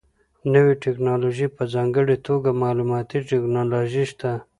نوې ټکنالوژي په ځانګړې توګه معلوماتي ټکنالوژي شته.